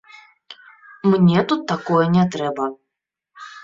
Мне тут такое не трэба.